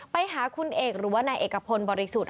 ไปหาคุณเอกหรือว่านายเอกพลบริสุทธิ์